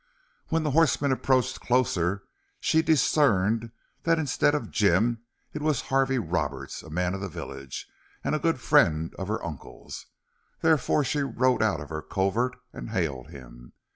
When the horseman approached closer she discerned that instead of Jim it was Harvey Roberts, a man of the village and a good friend of her uncle's. Therefore she rode out of her covert and hailed him.